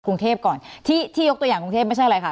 กรุงเทพก่อนที่ที่ยกตัวอย่างกรุงเทพไม่ใช่อะไรคะ